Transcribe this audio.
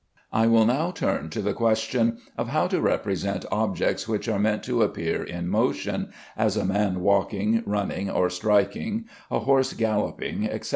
I will now turn to the question of how to represent objects which are meant to appear in motion, as a man walking, running, or striking, a horse galloping, etc.